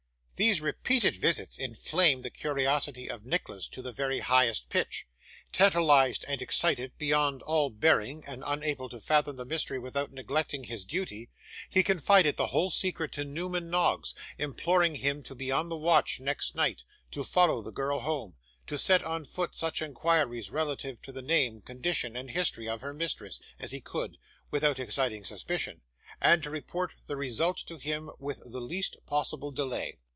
These repeated visits inflamed the curiosity of Nicholas to the very highest pitch. Tantalised and excited, beyond all bearing, and unable to fathom the mystery without neglecting his duty, he confided the whole secret to Newman Noggs, imploring him to be on the watch next night; to follow the girl home; to set on foot such inquiries relative to the name, condition, and history of her mistress, as he could, without exciting suspicion; and to report the result to him with the least possible delay.